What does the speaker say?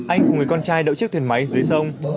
anh cùng người con trai đỡ chiếc thuyền máy dưới sông